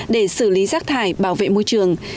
để xử lý rác thải bảo vệ môi trường